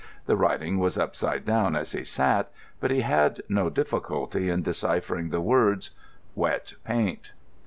The writing was upside down as he sat, but he had no difficulty in deciphering the words "Wet paint."